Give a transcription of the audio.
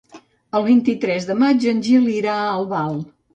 El vint-i-tres de maig en Gil irà a Albal.